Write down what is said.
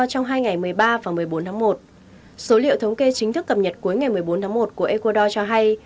trong hai ngày một mươi ba và một mươi bốn tháng một số liệu thống kê chính thức cập nhật cuối ngày một mươi bốn tháng một của ecuador cho hay